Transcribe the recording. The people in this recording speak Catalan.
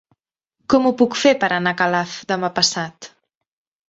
Com ho puc fer per anar a Calaf demà passat?